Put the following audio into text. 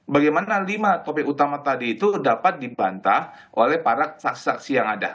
bagaimana lima topik utama tadi itu dapat dibantah oleh para saksi saksi yang ada